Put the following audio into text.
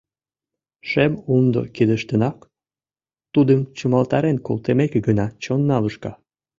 Шем умдо кидыштынак, тудым чымалтарен колтымеке гына чонна лушка.